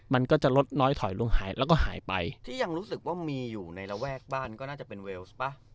มันก็จะลดน้อยถอยลงหายแล้วก็หายไปที่ยังรู้สึกว่ามีอยู่ในระแวกบ้านก็น่าจะเป็นเวลส์ป่ะ